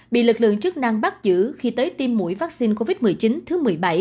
bị lực lượng chức năng bắt giữ khi tới tiêm mũi vaccine covid một mươi chín thứ một mươi bảy